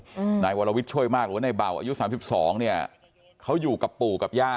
อืมนายวรวิทย์ช่วยมากหรือว่าในเบาอายุสามสิบสองเนี้ยเขาอยู่กับปู่กับย่า